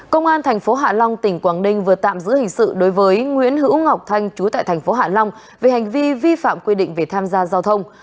công an tp hạ long tỉnh quảng ninh vừa tạm giữ hình sự đối với nguyễn hữu ngọc thanh chú tại tp hạ long về hành vi vi phạm quy định về tham gia giao thông